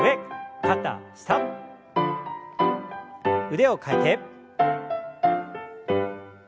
腕を替えて。